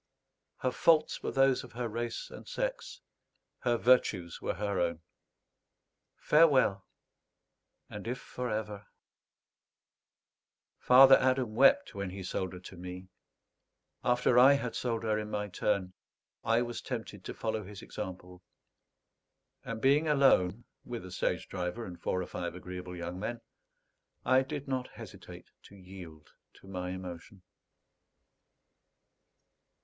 Her faults were those of her race and sex; her virtues were her own. Farewell, and if for ever Father Adam wept when he sold her to me; after I had sold her in my turn, I was tempted to follow his example; and being alone with a stage driver and four or five agreeable young men, I did not hesitate to yield to my emotion.